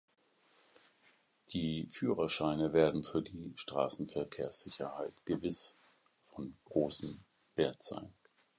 Die Führerscheine werden für die Straßenverkehrssicherheit gewiss von großem Wert sein.